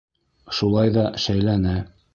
Шулай ҙа шәйләне.